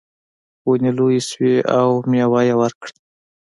ونې لویې شوې او میوه یې ورکړه.